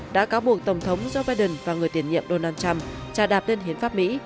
đã cáo buộc tổng thống joe biden và người tiền nhiệm donald trump trà đạp lên hiến pháp mỹ